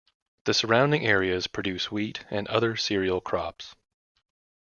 The surrounding areas produce wheat and other cereal crops.